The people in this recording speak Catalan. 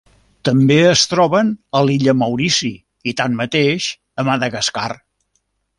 També es troben a l'illa Maurici i tanmateix a Madagascar.